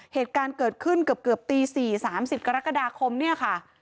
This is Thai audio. เหตุการณ์เกิดขึ้นเกือบตี๔๓๐กรกฎาคมเนี่ยค่ะ